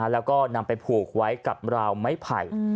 แล้วก็นำไปผูกไว้กับราวไม้ไผ่